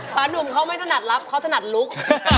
หนุ่มเขาไม่ถนัดรับเขาถนัดลุก